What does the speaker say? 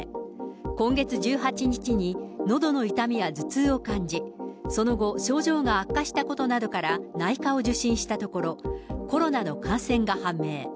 今月１８日にのどの痛みや頭痛を感じ、その後、症状が悪化したことなどから内科を受診したところ、コロナの感染が判明。